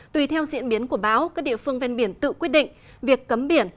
tùy theo diễn biến của báo các địa phương ven biển tự quyết định việc cấm biển